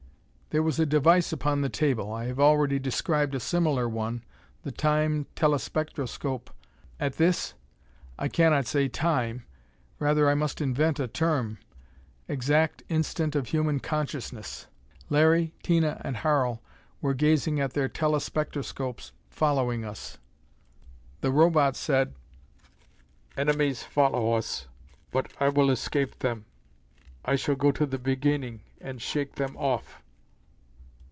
There was a device upon the table. I have already described a similar one, the Time telespectroscope. At this I cannot say Time: rather must I invent a term exact instant of human consciousness. Larry, Tina and Harl were gazing at their telespectroscopes, following us. The Robot said. "Enemies follow us. But I will escape them. I shall go to the Beginning, and shake them off."